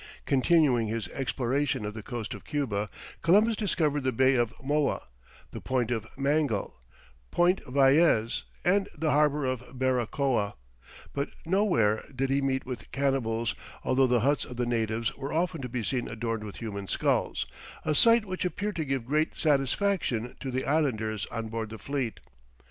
Continuing his exploration of the coast of Cuba, Columbus discovered the Bay of Moa, the Point of Mangle, Point Vaez, and the harbour of Barracoa, but nowhere did he meet with cannibals, although the huts of the natives were often to be seen adorned with human skulls, a sight which appeared to give great satisfaction to the islanders on board the fleet.